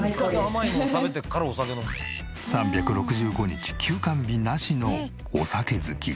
３６５日休肝日なしのお酒好き。